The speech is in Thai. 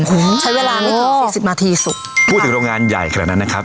ใช้เวลาไม่ถึงสี่สิบนาทีสุกพูดถึงโรงงานใหญ่ขนาดนั้นนะครับ